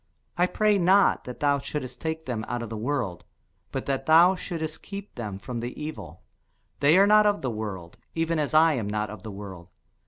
I pray not that thou shouldest take them out of the world, but that thou shouldest keep them from the evil. They are not of the world, even as I am not of the world.